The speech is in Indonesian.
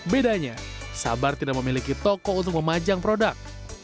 bedanya sabar tidak memiliki toko untuk memajang produk